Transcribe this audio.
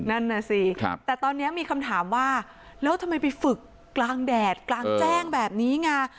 นั่นน่ะสิแต่ตอนนี้มีคำถามว่าแล้วทำไมไปฝึกกลางแดดกลางแจ้งแบบนี้ไง